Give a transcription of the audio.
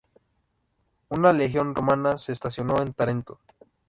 Una legión romana se estacionó en Tarento.